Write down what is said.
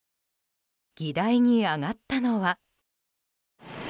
議題に挙がったのは。